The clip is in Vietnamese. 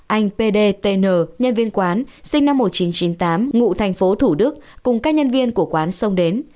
anh p d t n nhân viên quán sinh năm một nghìn chín trăm chín mươi tám ngụ thành phố thủ đức cùng các nhân viên của quán xông đến